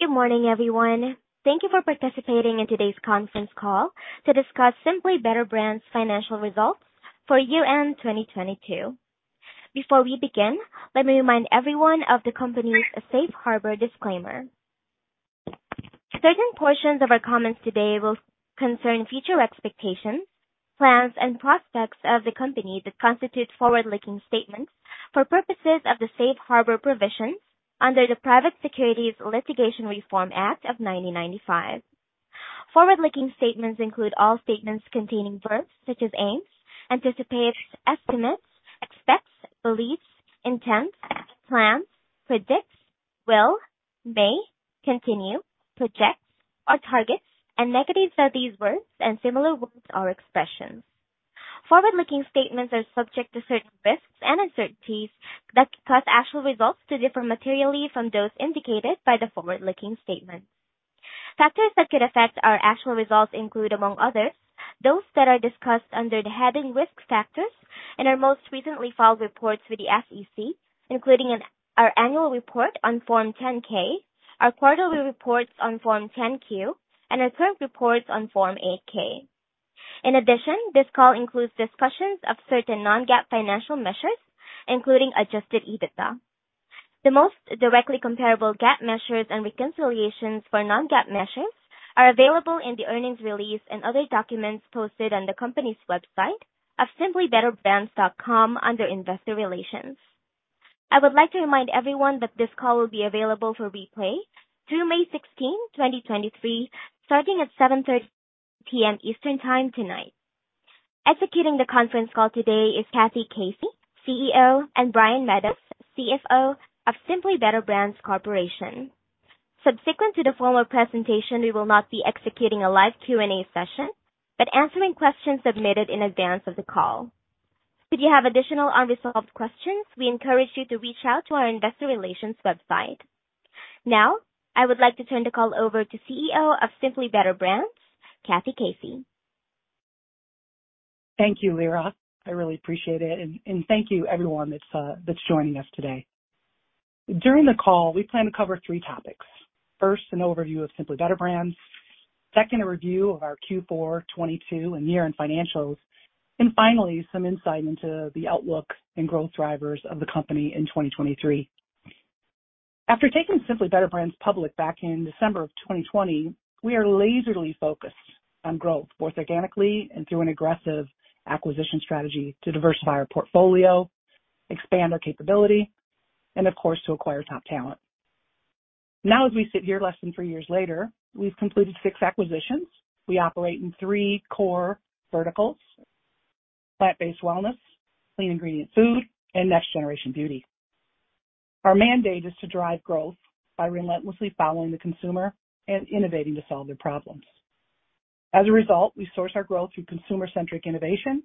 Good morning, everyone. Thank you for participating in today's conference call to discuss Simply Better Brands' financial results for 2022. Before we begin, let me remind everyone of the company's safe harbor disclaimer. Certain portions of our comments today will concern future expectations, plans, and prospects of the company that constitute forward-looking statements for purposes of the safe harbor provisions under the Private Securities Litigation Reform Act of 1995. Forward-looking statements include all statements containing verbs such as aims, anticipates, estimates, expects, believes, intends, plans, predicts, will, may, continue, projects, or targets, and negatives of these words and similar words or expressions. Forward-looking statements are subject to certain risks and uncertainties that cause actual results to differ materially from those indicated by the forward-looking statement. Factors that could affect our actual results include, among others, those that are discussed under the heading risk factors in our most recently filed reports with the SEC, including our annual report on form 10-K, our quarterly reports on form 10-Q, and our current reports on form 8-K. In addition, this call includes discussions of certain non-GAAP financial measures, including adjusted EBITDA. The most directly comparable GAAP measures and reconciliations for non-GAAP measures are available in the earnings release and other documents posted on the company's website at simplybetterbrands.com under Investor Relations. I would like to remind everyone that this call will be available for replay through May 16th, 2023, starting at 7:30 P.M. Eastern Time tonight. Executing the conference call today is Kathy Casey, CEO, and Brian Meadows, CFO of Simply Better Brands Corp.. Subsequent to the follow-up presentation, we will not be executing a live Q&A session, but answering questions submitted in advance of the call. If you have additional unresolved questions, we encourage you to reach out to our investor relations website. Now, I would like to turn the call over to CEO of Simply Better Brands, Kathy Casey. Thank you, Lira. I really appreciate it. Thank you everyone that's joining us today. During the call, we plan to cover three topics. First, an overview of Simply Better Brands. Second, a review of our Q4 '22 and year-end financials. Finally, some insight into the outlook and growth drivers of the company in 2023. After taking Simply Better Brands public back in December of 2020, we are laser-focused on growth, both organically and through an aggressive acquisition strategy to diversify our portfolio, expand our capability, and of course, to acquire top talent. Now, as we sit here less than three years later, we've completed six acquisitions. We operate in three core verticals: plant-based wellness, clean ingredient food, and next-generation beauty. Our mandate is to drive growth by relentlessly following the consumer and innovating to solve their problems. As a result, we source our growth through consumer-centric innovation,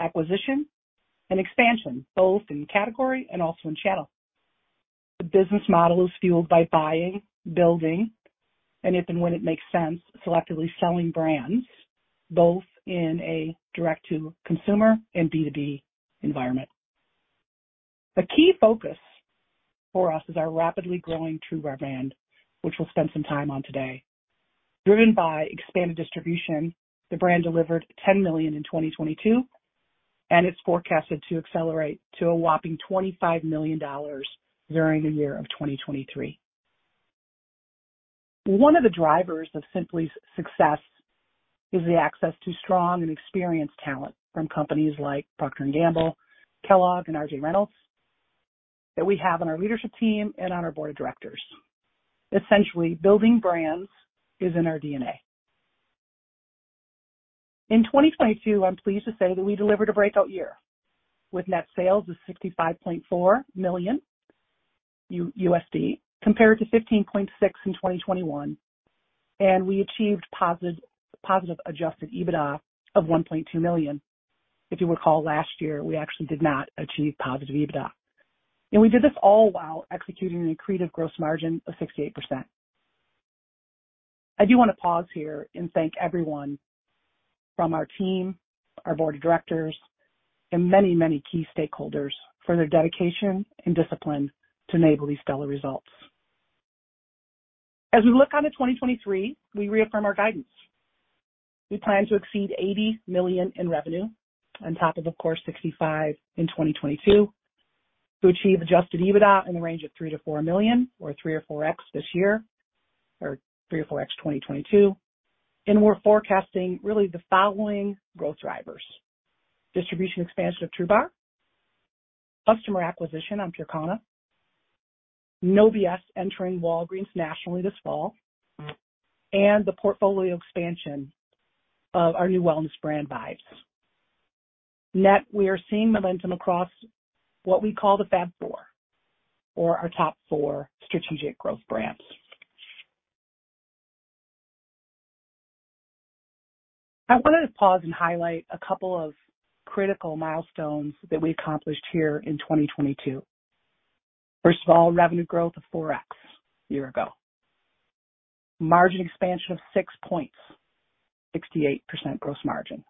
acquisition, and expansion, both in category and also in channel. The business model is fueled by buying, building, and if and when it makes sense, selectively selling brands both in a direct-to-consumer and B2B environment. The key focus for us is our rapidly growing TRUBAR brand, which we'll spend some time on today. Driven by expanded distribution, the brand delivered $10 million in 2022, and it's forecasted to accelerate to a whopping $25 million during the year of 2023. One of the drivers of Simply's success is the access to strong and experienced talent from companies like Procter & Gamble, Kellogg, and R.J. Reynolds that we have on our leadership team and on our board of directors. Essentially, building brands is in our DNA. In 2022, I'm pleased to say that we delivered a breakout year with net sales of $65.4 million compared to $15.6 million in 2021, and we achieved positive adjusted EBITDA of $1.2 million. If you recall, last year we actually did not achieve positive EBITDA. We did this all while executing an accretive gross margin of 68%. I do wanna pause here and thank everyone from our team, our board of directors, and many, many key stakeholders for their dedication and discipline to enable these stellar results. As we look onto 2023, we reaffirm our guidance. We plan to exceed $80 million in revenue on top of course, $65 million in 2022. To achieve adjusted EBITDA in the range of $3 million-$4 million, or 3x or 4x this year, or 3x or 4x 2022. We're forecasting really the following growth drivers: distribution expansion of TRUBAR, customer acquisition on PureKana, No B.S. entering Walgreens nationally this fall, and the portfolio expansion of our new wellness brand, Vibes. Net, we are seeing momentum across what we call the Fab Four, or our top four strategic growth brands. I wanted to pause and highlight a couple of critical milestones that we accomplished here in 2022. First of all, revenue growth of 4x year ago. Margin expansion of 6 points, 68% gross margin.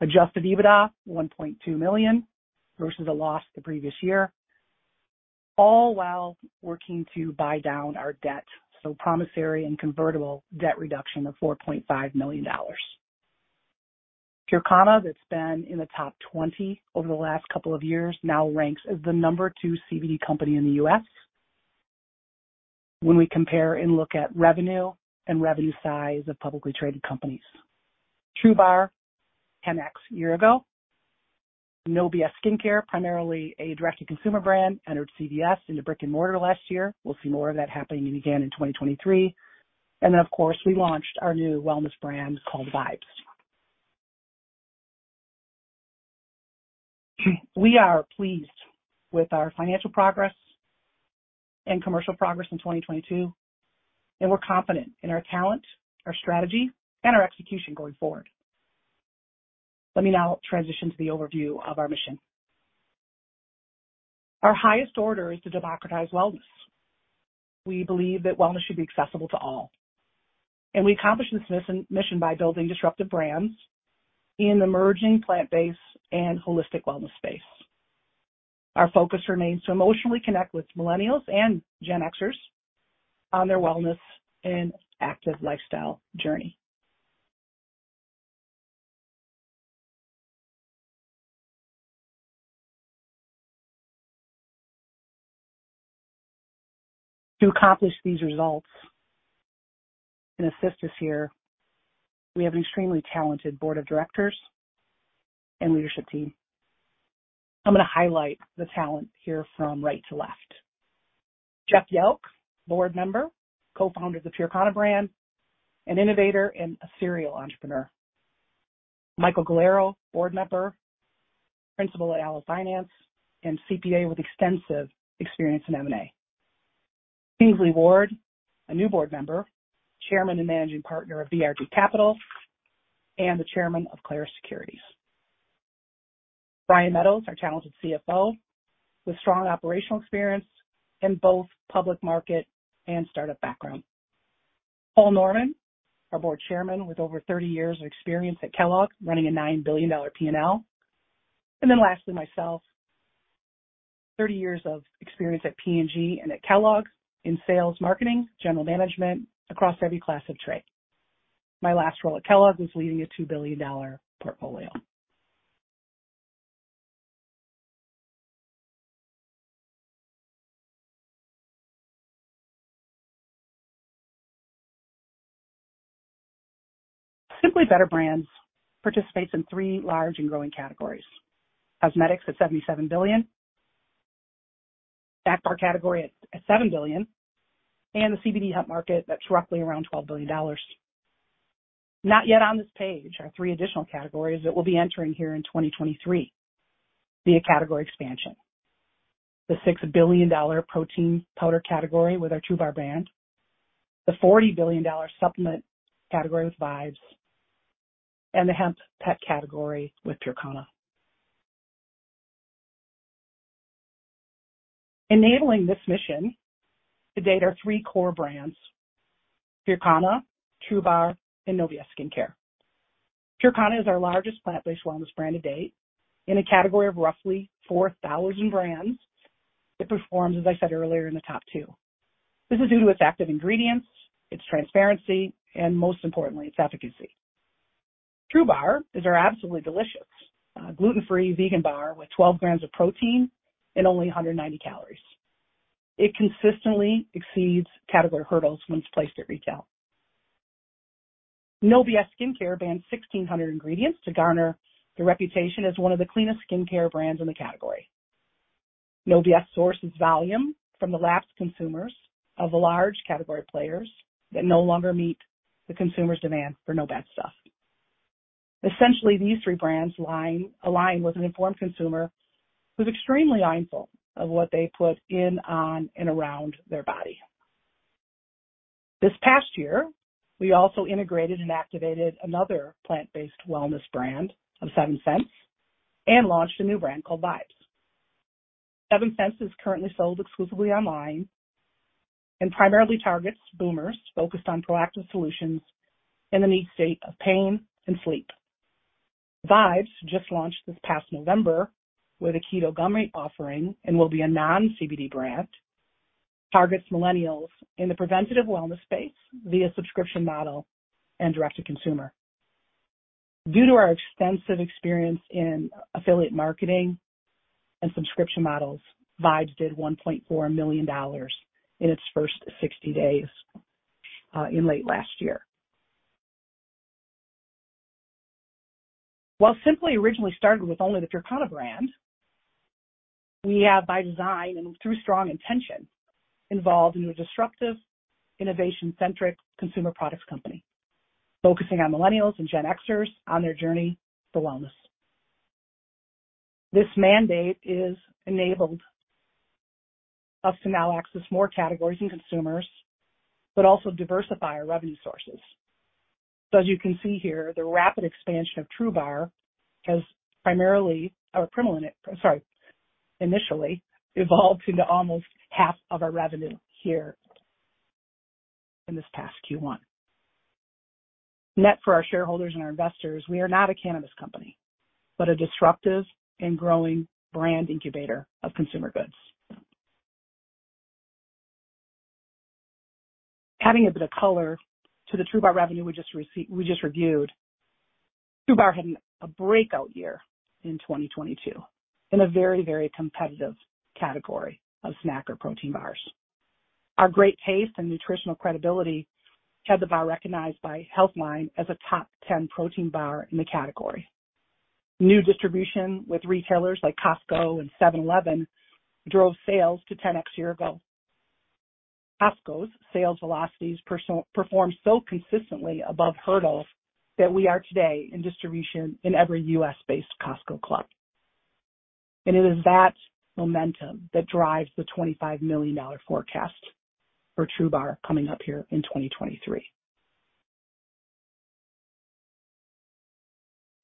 adjusted EBITDA, $1.2 million versus a loss the previous year, all while working to buy down our debt. Promissory and convertible debt reduction of $4.5 million. PureKana that's been in the top 20 over the last couple of years now ranks as the number two CBD company in the U.S. when we compare and look at revenue and revenue size of publicly traded companies. TRUBAR, 10x year ago. No B.S. Skin Care, primarily a direct-to-consumer brand, entered CVS into brick-and-mortar last year. We'll see more of that happening again in 2023. Of course we launched our new wellness brand called Vibes. We are pleased with our financial progress and commercial progress in 2022, and we're confident in our talent, our strategy, and our execution going forward. Let me now transition to the overview of our mission. Our highest order is to democratize wellness. We believe that wellness should be accessible to all. We accomplish this mission by building disruptive brands in emerging plant-based and holistic wellness space. Our focus remains to emotionally connect with millennials and Gen Xers on their wellness and active lifestyle journey. To accomplish these results and assist us here, we have an extremely talented Board of Directors and leadership team. I'm gonna highlight the talent here from right to left. Jeff Yauck, Board Member, co-founder of the PureKana brand, an innovator and a serial entrepreneur. Michael Galloro, Board Member, Principal at ALOE Finance and CPA with extensive experience in M&A. J.R. Kingsley Ward, a new Board Member, Chairman and Managing Partner of VRG Capital and the Chairman of Clarus Securities. Brian Meadows, our talented CFO with strong operational experience in both public market and start-up background. Paul Norman, our Board Chairman with over 30 years of experience at Kellogg, running a $9 billion P&L. Lastly, myself. 30 years of experience at P&G and at Kellogg in sales, marketing, general management across every class of trade. My last role at Kellogg was leading a $2 billion portfolio. Simply Better Brands participates in three large and growing categories. Cosmetics at $77 billion, snack bar category at $7 billion, and the CBD hemp market that's roughly around $12 billion. Not yet on this page are three additional categories that we'll be entering here in 2023 via category expansion. The $6 billion protein powder category with our TRUBAR brand, the $40 billion supplement category with Vibes, and the hemp pet category with PureKana. Enabling this mission to date are three core brands, PureKana, TRUBAR, and No B.S. Skin Care. PureKana is our largest plant-based wellness brand to date. In a category of roughly 4,000 brands, it performs, as I said earlier, in the top two. This is due to its active ingredients, its transparency, and most importantly, its efficacy. TRUBAR is our absolutely delicious, gluten-free vegan bar with 12 grams of protein and only 190 calories. It consistently exceeds category hurdles when it's placed at retail. No B.S. Skin Care bans 1,600 ingredients to garner the reputation as one of the cleanest skincare brands in the category. No B.S. sources volume from the lapsed consumers of the large category players that no longer meet the consumers' demand for no bad stuff. Essentially, these three brands align with an informed consumer who's extremely mindful of what they put in, on, and around their body. This past year, we also integrated and activated another plant-based wellness brand of Seventh Sense and launched a new brand called Vibes. Seventh Sense is currently sold exclusively online and primarily targets boomers focused on proactive solutions in the need state of pain and sleep. Vibes just launched this past November with a keto gummy offering and will be a non-CBD brand, targets millennials in the preventative wellness space via subscription model and direct-to-consumer. Due to our extensive experience in affiliate marketing and subscription models, Vibes did $1.4 million in its first 60 days in late last year. While Simply originally started with only the PureKana brand, we have, by design and through strong intention, evolved into a disruptive, innovation-centric consumer products company focusing on millennials and Gen Xers on their journey to wellness. This mandate is enabled us to now access more categories and consumers, but also diversify our revenue sources. As you can see here, the rapid expansion of TRUBAR has primarily, sorry, initially evolved into almost half of our revenue here in this past Q1. Net for our shareholders and our investors, we are not a cannabis company, but a disruptive and growing brand incubator of consumer goods. Adding a bit of color to the TRUBAR revenue we just reviewed. TRUBAR had a breakout year in 2022, in a very, very competitive category of snack or protein bars. Our great taste and nutritional credibility had the bar recognized by Healthline as a top 10 protein bar in the category. New distribution with retailers like Costco and 7-Eleven drove sales to 10x year-ago. Costco's sales velocities performed so consistently above hurdles that we are today in distribution in every US-based Costco club. It is that momentum that drives the $25 million forecast for TRUBAR coming up here in 2023.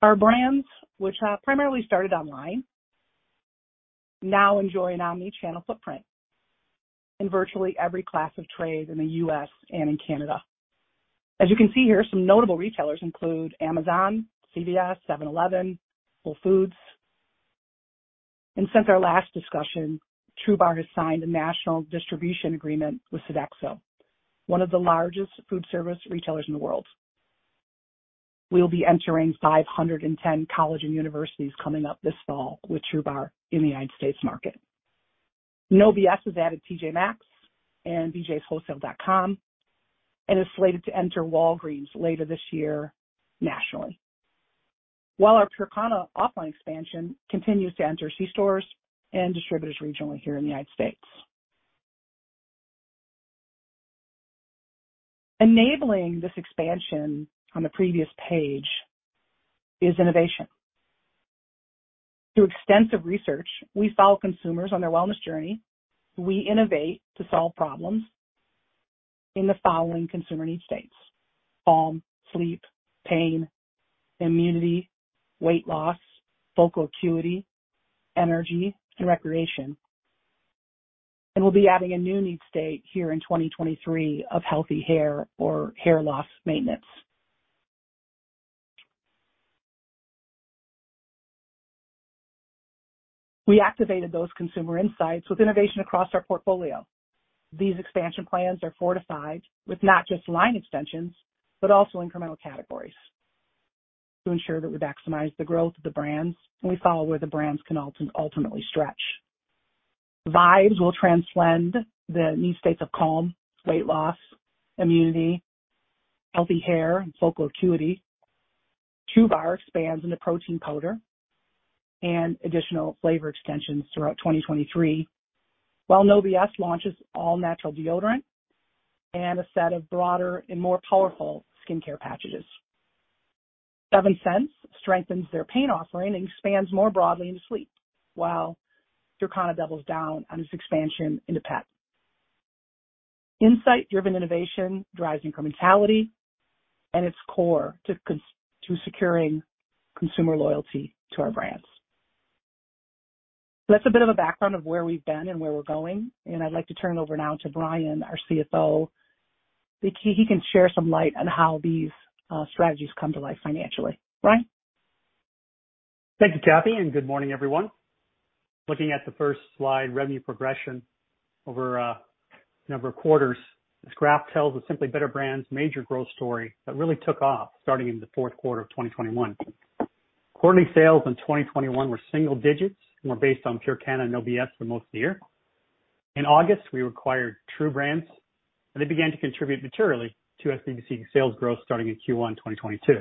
Our brands, which, primarily started online, now enjoy an omni-channel footprint in virtually every class of trade in the US and in Canada. As you can see here, some notable retailers include Amazon, CVS, 7-Eleven, Whole Foods. Since our last discussion, TRUBAR has signed a national distribution agreement with Sodexo, one of the largest food service retailers in the world. We'll be entering 510 college and universities coming up this fall with TRUBAR in the United States market. No B.S. has added TJ Maxx and bjs.com, and is slated to enter Walgreens later this year nationally. While our PureKana offline expansion continues to enter C-stores and distributors regionally here in the United States. Enabling this expansion on the previous page is innovation. Through extensive research, we follow consumers on their wellness journey. We innovate to solve problems in the following consumer need states: calm, sleep, pain, immunity, weight loss, focal acuity, energy, and recreation. We'll be adding a new need state here in 2023 of healthy hair or hair loss maintenance. We activated those consumer insights with innovation across our portfolio. These expansion plans are fortified with not just line extensions, but also incremental categories to ensure that we maximize the growth of the brands and we follow where the brands can ultimately stretch. Vibes will transcend the need states of calm, weight loss, immunity, healthy hair, and focal acuity. TRUBAR expands into protein powder and additional flavor extensions throughout 2023, while No B.S. launches all natural deodorant and a set of broader and more powerful skincare patches. Seventh Sense strengthens their pain offering and expands more broadly into sleep while PureKana doubles down on its expansion into pet. Insight-driven innovation drives incrementality and its core to securing consumer loyalty to our brands. That's a bit of a background of where we've been and where we're going, and I'd like to turn it over now to Brian, our CFO. He can share some light on how these strategies come to life financially. Brian. Thank you, Kathy. Good morning, everyone. Looking at the first slide, revenue progression over a number of quarters. This graph tells the Simply Better Brands major growth story that really took off starting in the Q4 of 2021. Quarterly sales in 2021 were single digits and were based on PureKana and No B.S. for most of the year. In August, we acquired TRU Brands. They began to contribute materially to SBBC sales growth starting in Q1 2022.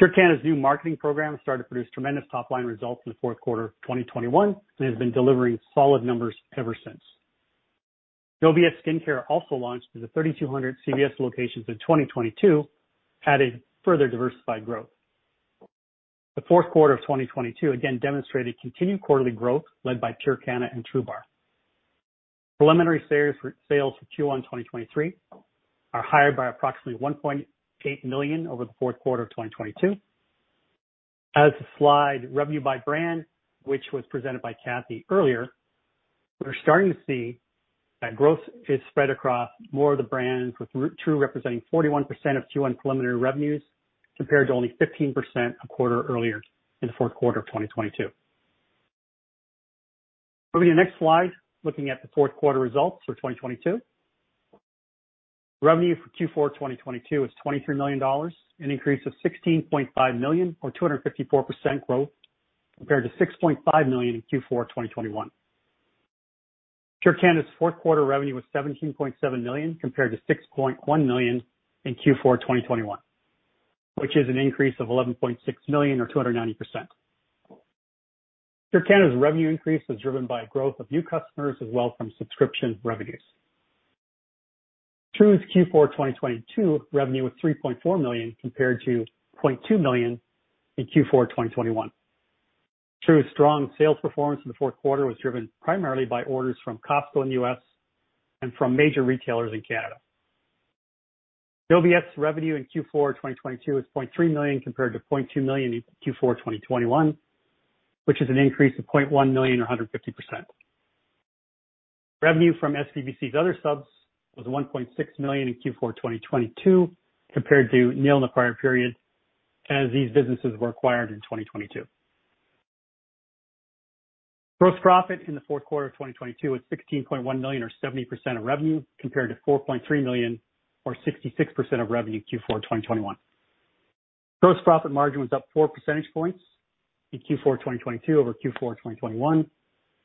PureKana's new marketing program started to produce tremendous top-line results in the Q4 of 2021 and has been delivering solid numbers ever since. No B.S. Skin Care also launched with the 3,200 CVS locations in 2022, adding further diversified growth. The Q4 of 2022 again demonstrated continued quarterly growth led by PureKana and TRUBAR. Preliminary sales for Q1 2023 are higher by approximately $1.8 million over the Q4 of 2022. As the slide Revenue by Brand, which was presented by Kathy earlier, we're starting to see that growth is spread across more of the brands, with TRUBAR representing 41% of Q1 preliminary revenues, compared to only 15% a quarter earlier in the Q4 of 2022. Moving to the next slide. Looking at the Q4 results for 2022. Revenue for Q4 2022 is $23 million, an increase of $16.5 million or 254% growth compared to $6.5 million in Q4 2021. PureKana's Q4 revenue was $17.7 million compared to $6.1 million in Q4 2021, which is an increase of $11.6 million or 290%. PureKana's revenue increase was driven by growth of new customers as well from subscription revenues. TRUBAR's Q4 2022 revenue was $3.4 million, compared to $0.2 million in Q4 2021. TRUBAR's strong sales performance in the Q4 was driven primarily by orders from Costco in the U.S. and from major retailers in Canada. No B.S. revenue in Q4 of 2022 is $0.3 million compared to $0.2 million in Q4 2021, which is an increase of $0.1 million or 150%. Revenue from SBBC's other subs was $1.6 million in Q4 2022 compared to nil in the prior period as these businesses were acquired in 2022. Gross profit in the Q4 of 2022 was $16.1 million or 70% of revenue compared to $4.3 million or 66% of revenue in Q4 2021. Gross profit margin was up four percentage points in Q4 2022 over Q4 2021,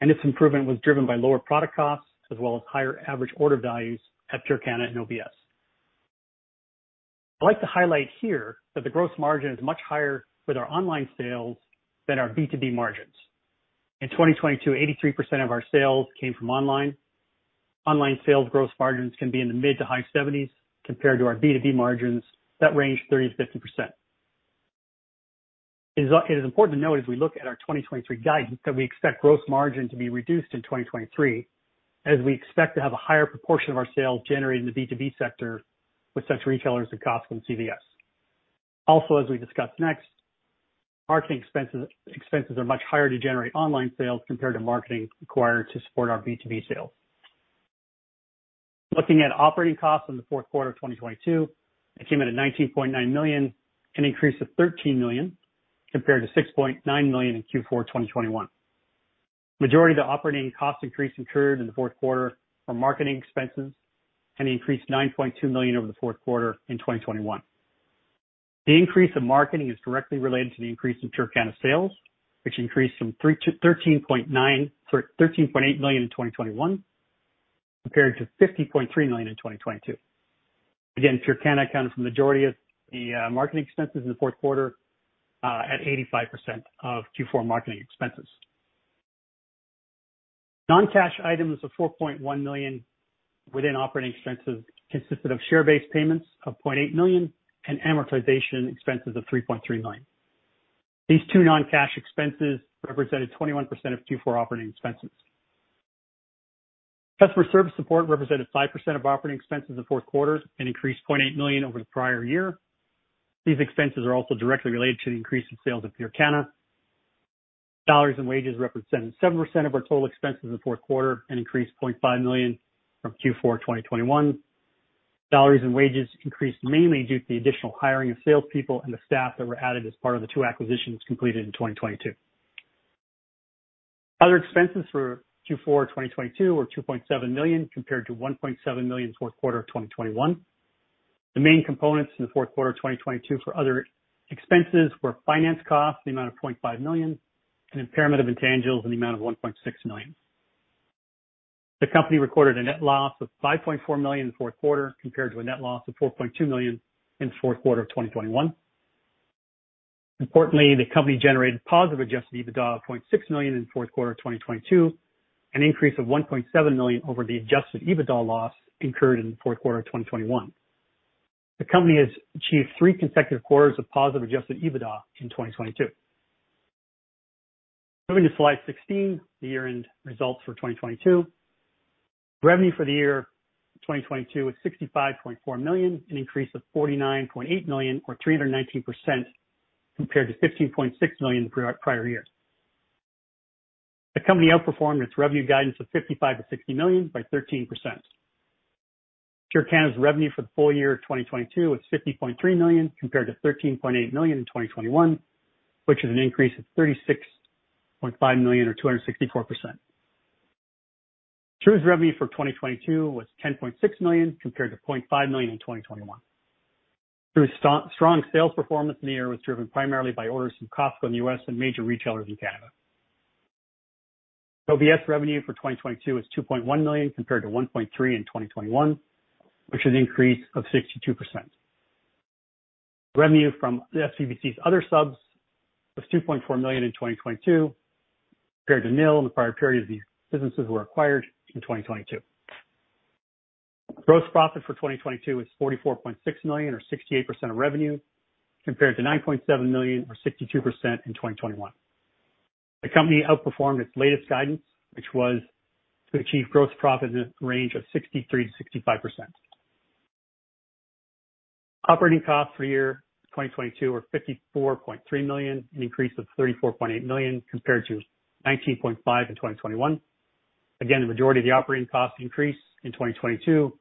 its improvement was driven by lower product costs as well as higher average order values at PureKana and No B.S. I'd like to highlight here that the gross margin is much higher with our online sales than our B2B margins. In 2022, 83% of our sales came from online. Online sales gross margins can be in the mid-to-high 70s compared to our B2B margins that range 30%-50%. It is important to note as we look at our 2023 guidance that we expect gross margin to be reduced in 2023 as we expect to have a higher proportion of our sales generated in the B2B sector with such retailers as Costco and CVS. As we discuss next, marketing expenses are much higher to generate online sales compared to marketing required to support our B2B sales. Looking at operating costs in the Q4 of 2022, it came in at $19.9 million, an increase of $13 million compared to $6.9 million in Q4 2021. Majority of the operating cost increase incurred in the Q4 are marketing expenses and increased $9.2 million over the Q4 in 2021. The increase in marketing is directly related to the increase in PureKana sales, which increased from $13.8 million in 2021 compared to $50.3 million in 2022. PureKana accounted for majority of the marketing expenses in the Q4 at 85% of Q4 marketing expenses. Non-cash items of $4.1 million within operating expenses consisted of share-based payments of $0.8 million and amortization expenses of $3.3 million. These two non-cash expenses represented 21% of Q4 operating expenses. Customer service support represented 5% of operating expenses in the Q4 and increased $0.8 million over the prior year. These expenses are also directly related to the increase in sales of PureKana. Salaries and wages represented 7% of our total expenses in the Q4 and increased $0.5 million from Q4 2021. Salaries and wages increased mainly due to the additional hiring of salespeople and the staff that were added as part of the two acquisitions completed in 2022. Other expenses for Q4 2022 were $2.7 million compared to $1.7 million in Q4 of 2021. The main components in the Q4 of 2022 for other expenses were finance costs in the amount of $0.5 million and impairment of intangibles in the amount of $1.6 million. The company recorded a net loss of $5.4 million in the Q4 compared to a net loss of $4.2 million in the Q4 of 2021. Importantly, the company generated positive adjusted EBITDA of $0.6 million in the Q4 of 2022, an increase of $1.7 million over the adjusted EBITDA loss incurred in the Q4 of 2021. The company has achieved three consecutive quarters of positive adjusted EBITDA in 2022. Moving to slide 16, the year-end results for 2022. Revenue for the year 2022 was $65.4 million, an increase of $49.8 million or 319% compared to $15.6 million in the prior year. The company outperformed its revenue guidance of $55 million-$60 million by 13%. PureKana's revenue for the full year of 2022 was $50.3 million compared to $13.8 million in 2021, which is an increase of $36.5 million or 264%. TRUBAR's revenue for 2022 was $10.6 million compared to $0.5 million in 2021. TRUBAR's strong sales performance in the year was driven primarily by orders from Costco in the U.S. and major retailers in Canada. No B.S. revenue for 2022 was $2.1 million compared to $1.3 million in 2021, which is an increase of 62%. Revenue from the SBBC's other subs was $2.4 million in 2022 compared to nil in the prior period as these businesses were acquired in 2022. Gross profit for 2022 was $44.6 million or 68% of revenue compared to $9.7 million or 62% in 2021. The company outperformed its latest guidance, which was to achieve gross profit in the range of 63%-65%. Operating costs for the year 2022 were $54.3 million, an increase of $34.8 million compared to $19.5 million in 2021. The majority of the operating cost increase in 2022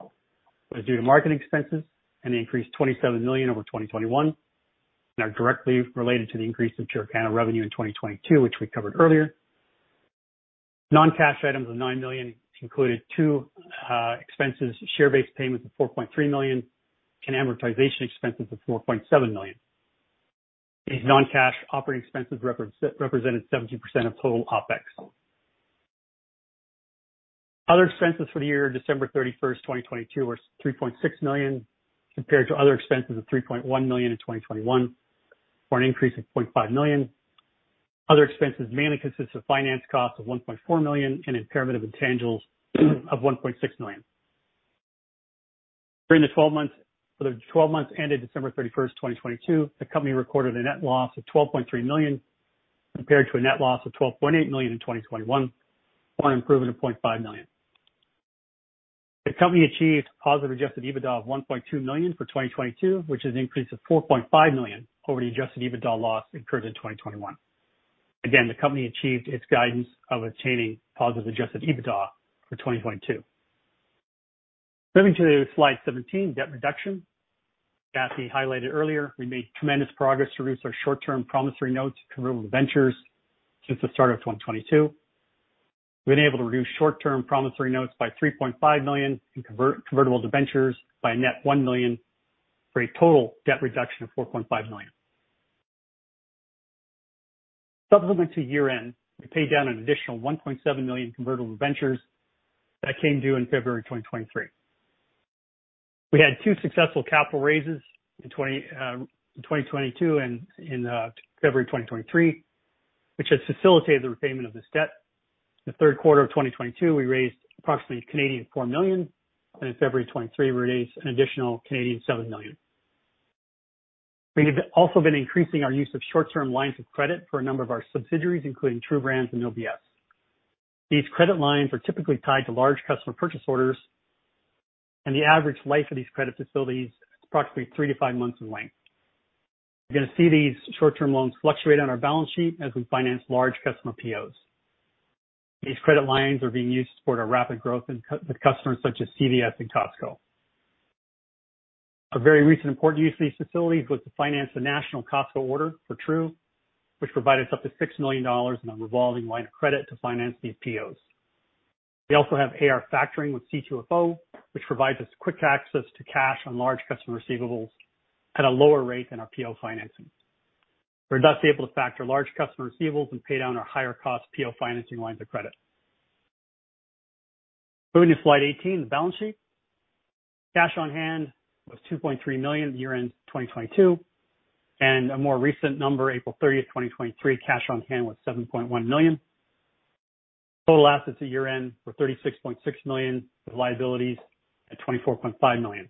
was due to marketing expenses and increased $27 million over 2021 and are directly related to the increase in PureKana revenue in 2022, which we covered earlier. Non-cash items of $9 million included two expenses, share-based payments of $4.3 million and amortization expenses of $4.7 million. These non-cash operating expenses represented 17% of total OpEx. Other expenses for the year December 31, 2022, were $3.6 million compared to other expenses of $3.1 million in 2021 or an increase of $0.5 million. Other expenses mainly consists of finance costs of $1.4 million and impairment of intangibles of $1.6 million. For the 12 months ended December 31st, 2022, the company recorded a net loss of $12.3 million, compared to a net loss of $12.8 million in 2021, for an improvement of $0.5 million. The company achieved positive adjusted EBITDA of $1.2 million for 2022, which is an increase of $4.5 million over the adjusted EBITDA loss incurred in 2021. The company achieved its guidance of attaining positive adjusted EBITDA for 2022. Moving to slide 17, debt reduction. Kathy highlighted earlier, we made tremendous progress to reduce our short-term promissory notes convertible debentures since the start of 2022. We've been able to reduce short-term promissory notes by $3.5 million and convert convertible debentures by a net $1 million for a total debt reduction of $4.5 million. Subsequent to year-end, we paid down an additional $1.7 million convertible debentures that came due in February 2023. We had two successful capital raises in 2022 and in February 2023, which has facilitated the repayment of this debt. The Q3 of 2022, we raised approximately 4 million. In February 2023, we raised an additional 7 million. We have also been increasing our use of short-term lines of credit for a number of our subsidiaries, including TRU Brands and No B.S. These credit lines are typically tied to large customer purchase orders, and the average life of these credit facilities is approximately 3 to 5 months in length. You're gonna see these short-term loans fluctuate on our balance sheet as we finance large customer POs. These credit lines are being used to support our rapid growth with customers such as CVS and Costco. A very recent important use of these facilities was to finance the national Costco order for TRU, which provided us up to $6 million in a revolving line of credit to finance these POs. We also have AR factoring with C2FO, which provides us quick access to cash on large customer receivables at a lower rate than our PO financings. We're thus able to factor large customer receivables and pay down our higher cost PO financing lines of credit. Moving to slide 18, the balance sheet. Cash on hand was $2.3 million at year-end 2022, and a more recent number, April 30, 2023, cash on hand was $7.1 million. Total assets at year-end were $36.6 million, with liabilities at $24.5 million.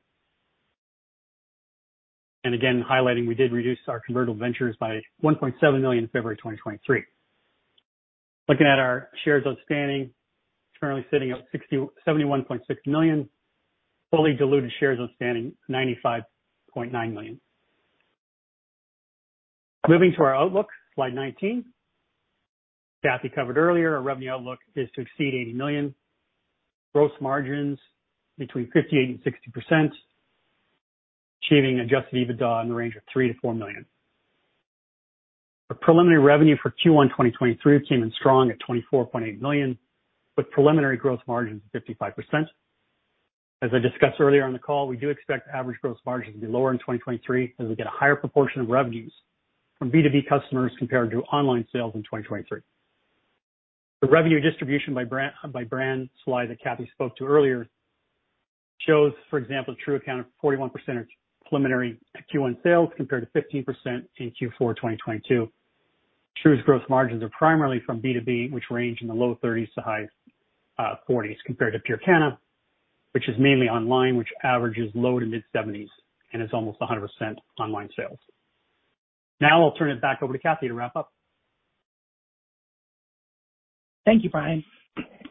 Again highlighting we did reduce our convertible debentures by $1.7 million in February 2023. Looking at our shares outstanding, currently sitting at 71.6 million. Fully diluted shares outstanding, 95.9 million. Moving to our outlook, slide 19. Kathy covered earlier, our revenue outlook is to exceed $80 million. Gross margins between 58% and 60%. Achieving adjusted EBITDA in the range of $3 million-$4 million. Our preliminary revenue for Q1 2023 came in strong at $24.8 million, with preliminary growth margins of 55%. As I discussed earlier on the call, we do expect average gross margins to be lower in 2023 as we get a higher proportion of revenues from B2B customers compared to online sales in 2023. The revenue distribution by brand slide that Kathy spoke to earlier shows, for example, True accounted for 41% of preliminary Q1 sales, compared to 15% in Q4, 2022. True's gross margins are primarily from B2B, which range in the low 30s to high 40s, compared to PureKana, which is mainly online, which averages low to mid-70s, and is almost 100% online sales. I'll turn it back over to Kathy to wrap up. Thank you, Brian.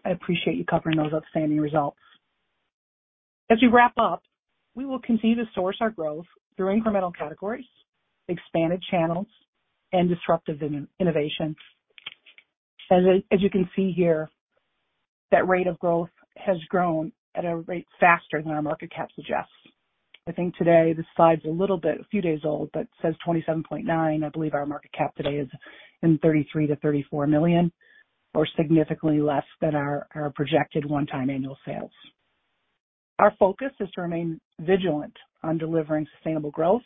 I appreciate you covering those outstanding results. As we wrap up, we will continue to source our growth through incremental categories, expanded channels, and disruptive in-innovation. As you can see here, that rate of growth has grown at a rate faster than our market cap suggests. I think today this slide's a little bit, a few days old, but says $27.9 million. I believe our market cap today is in $33 million-$34 million or significantly less than our projected one-time annual sales. Our focus is to remain vigilant on delivering sustainable growth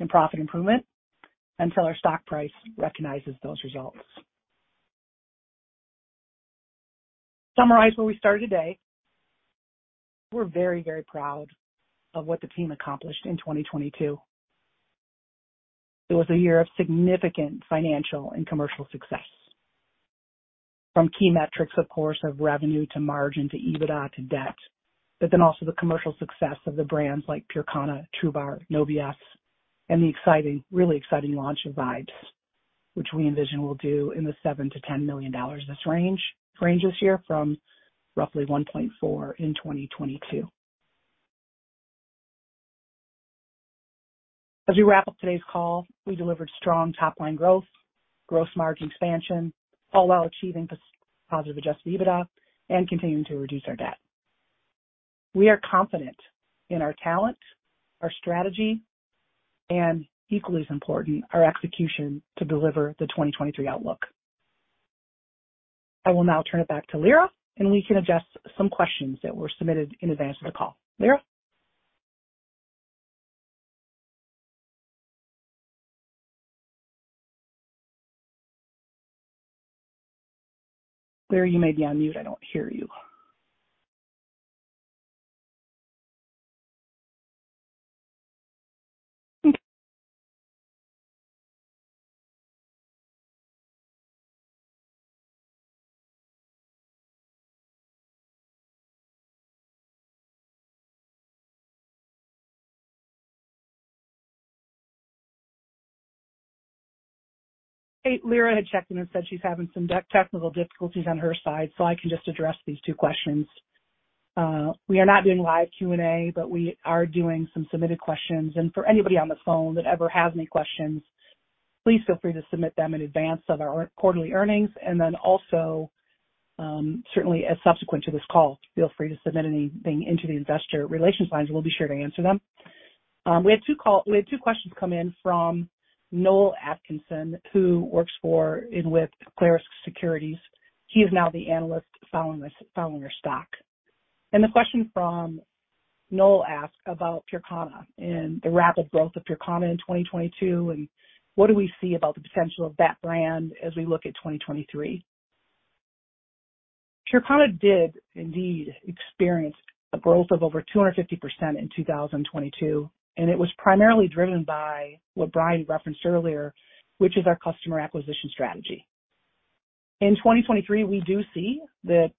and profit improvement until our stock price recognizes those results. Summarize where we started today. We're very, very proud of what the team accomplished in 2022. It was a year of significant financial and commercial success. From key metrics, of course, of revenue to margin to EBITDA to debt, also the commercial success of the brands like PureKana, TRUBAR, No B.S., and the exciting launch of Vibes, which we envision will do in the $7 million-$10 million this range this year from roughly $1.4 million in 2022. As we wrap up today's call, we delivered strong top-line growth, gross margin expansion, all while achieving positive adjusted EBITDA and continuing to reduce our debt. We are confident in our talent, our strategy, and equally as important, our execution to deliver the 2023 outlook. I will now turn it back to Lira, and we can address some questions that were submitted in advance of the call. Lira? Lira, you may be on mute. I don't hear you. Hey, Lira had checked in and said she's having some technical difficulties on her side, so I can just address these two questions. We are not doing live Q&A, but we are doing some submitted questions. For anybody on the phone that ever has any questions, please feel free to submit them in advance of our quarterly earnings. Then also, certainly as subsequent to this call, feel free to submit anything into the investor relations line, and we'll be sure to answer them. We had two questions come in from Noel Atkinson, who works for and with Clarus Securities. He is now the analyst following our stock. The question from Noel asked about PureKana and the rapid growth of PureKana in 2022, and what do we see about the potential of that brand as we look at 2023. PureKana did indeed experience a growth of over 250% in 2022, and it was primarily driven by what Brian referenced earlier, which is our customer acquisition strategy. In 2023, we do see that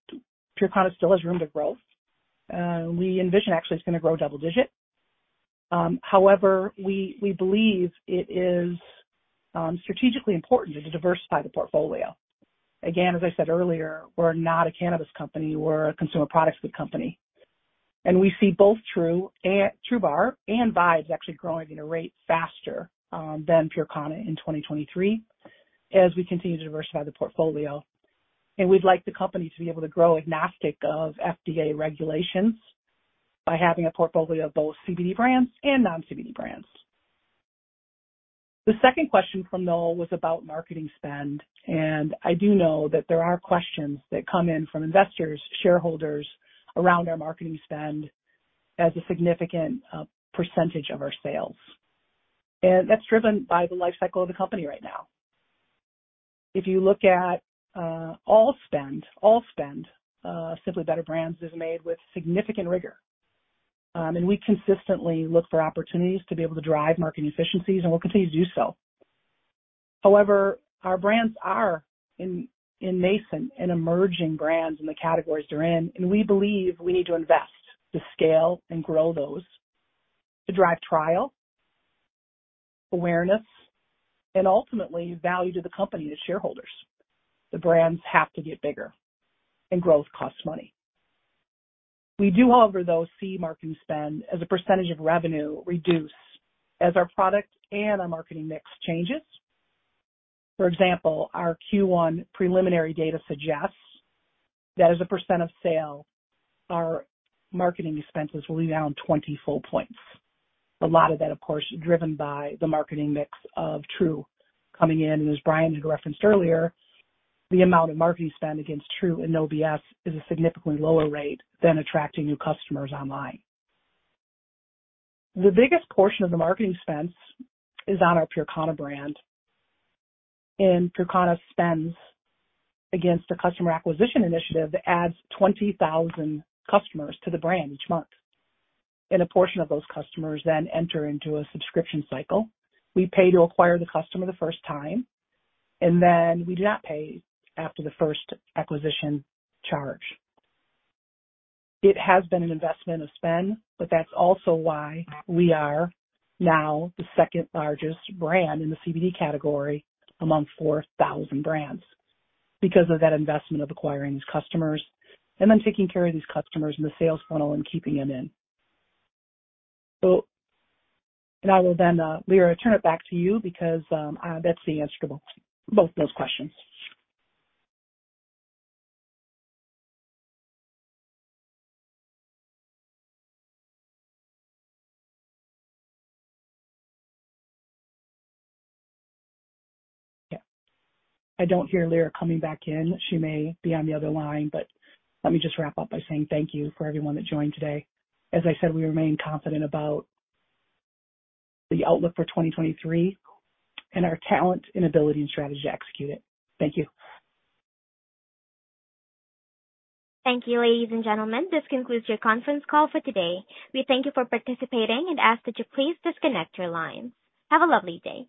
PureKana still has room to growth. We envision actually it's gonna grow double-digit. However, we believe it is strategically important to diversify the portfolio. Again, as I said earlier, we're not a cannabis company, we're a consumer products good company. We see both TRUBAR and Vibes actually growing at a rate faster than PureKana in 2023, as we continue to diversify the portfolio. We'd like the company to be able to grow agnostic of FDA regulations by having a portfolio of both CBD brands and non-CBD brands. The second question from Noel was about marketing spend, and I do know that there are questions that come in from investors, shareholders around our marketing spend as a significant percentage of our sales. That's driven by the life cycle of the company right now. If you look at all spend, Simply Better Brands is made with significant rigor. We consistently look for opportunities to be able to drive marketing efficiencies, and we'll continue to do so. However, our brands are in nascent and emerging brands in the categories they're in, and we believe we need to invest to scale and grow those, to drive trial, awareness, and ultimately value to the company, the shareholders. The brands have to get bigger, and growth costs money. We do, however, though, see marketing spend as a % of revenue reduce as our product and our marketing mix changes. For example, our Q1 preliminary data suggests that as a % of sale, our marketing expenses will be down 20 full points. A lot of that, of course, driven by the marketing mix of TRU coming in. As Brian had referenced earlier, the amount of marketing spend against TRU and No B.S. is a significantly lower rate than attracting new customers online. The biggest portion of the marketing expense is on our PureKana brand, and PureKana spends against a customer acquisition initiative that adds 20,000 customers to the brand each month. A portion of those customers then enter into a subscription cycle. We pay to acquire the customer the first time, then we do not pay after the first acquisition charge. It has been an investment of spend, that's also why we are now the second largest brand in the CBD category among 4,000 brands. Because of that investment of acquiring these customers and then taking care of these customers in the sales funnel and keeping them in. I will then, Lira, turn it back to you because that's the answer to both those questions. Yeah. I don't hear Lira coming back in. She may be on the other line, let me just wrap up by saying thank you for everyone that joined today. As I said, we remain confident about the outlook for 2023 and our talent and ability and strategy to execute it. Thank you. Thank you, ladies and gentlemen. This concludes your conference call for today. We thank you for participating and ask that you please disconnect your lines. Have a lovely day.